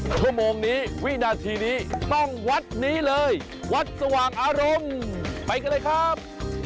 ชั่วโมงนี้วินาทีนี้ต้องวัดนี้เลยวัดสว่างอารมณ์ไปกันเลยครับ